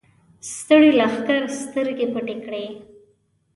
ستړي لښکر سترګې پټې کړې.